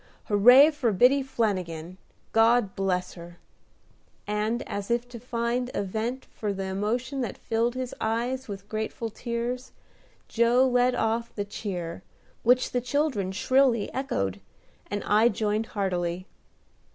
Hooray for Biddy Flanagin! God bless her!" and, as if to find a vent for the emotion that filled his eyes with grateful tears, Joe led off the cheer, which the children shrilly echoed, and I joined heartily.